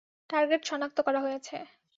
Target শনাক্ত করা হয়েছে।